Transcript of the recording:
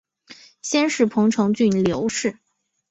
先世彭城郡刘氏。